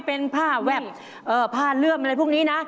เป็นผ้าแวบผ้าเลื่อมอะไรพวกนี้นะ